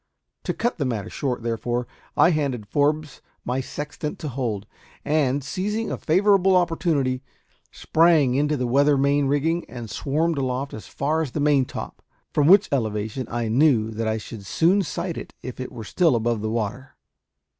To cut the matter short, therefore, I handed Forbes my sextant to hold; and, seizing a favourable opportunity, sprang into the weather main rigging and swarmed aloft as far as the maintop, from which elevation I knew that I should soon sight it if it were still above water.